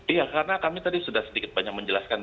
iya karena kami tadi sudah sedikit banyak menjelaskan